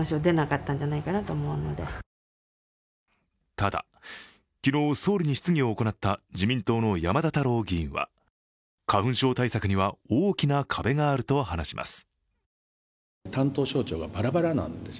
ただ、昨日総理に質疑を行った自民党の山田太郎議員は、花粉症対策には大きな壁があると話します。